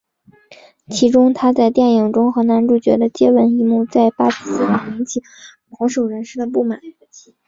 其中她在电影中和男主角的接吻一幕在巴基斯坦引起保守人士的不满。